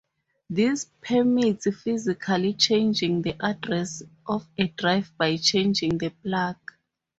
This permits physically changing the address of a drive by changing the plug.